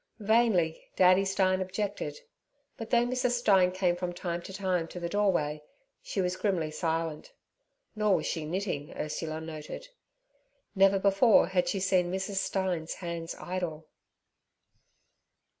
Vainly Daddy Stein objected; but, though Mrs. Stein came from time to time to the doorway, she was grimly silent; nor was she knitting, Ursula noted. Never before had she seen Mrs. Stein's hands idle.